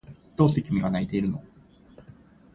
どうして君が泣いているの？